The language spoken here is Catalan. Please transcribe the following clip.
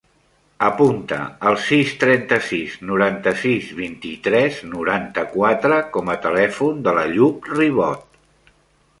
Apunta el sis, trenta-sis, noranta-sis, vint-i-tres, noranta-quatre com a telèfon de l'Àyoub Ribot.